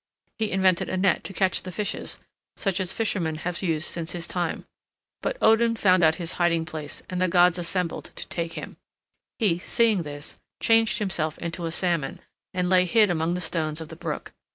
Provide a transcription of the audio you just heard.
He invented a net to catch the fishes, such as fishermen have used since his time. But Odin found out his hiding place and the gods assembled to take him. He, seeing this, changed himself into a salmon, and lay hid among the stones of the brook.